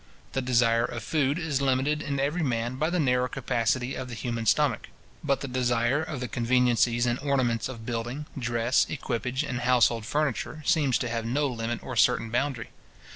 The desire of food is limited in every man by the narrow capacity of the human stomach; but the desire of the conveniencies and ornaments of building, dress, equipage, and household furniture, seems to have no limit or certain boundary.